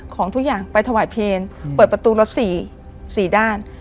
ของทุกอย่างไปถวายเพลงเปิดประตูรถ๔ด้าน